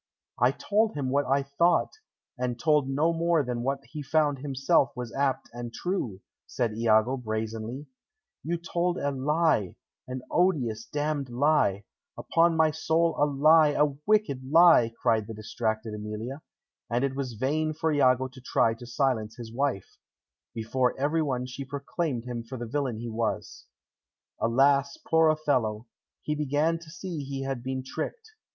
"I told him what I thought, and told no more than what he found himself was apt and true," said Iago, brazenly. [Illustration: "I told him what I thought."] "You told a lie, an odious, damned lie; upon my soul a lie, a wicked lie," cried the distracted Emilia, and it was vain for Iago to try to silence his wife; before everyone she proclaimed him for the villain he was. Alas, poor Othello, he began to see he had been tricked.